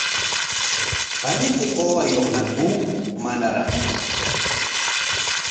¿Paniyki qusayuqñaku manaraqku?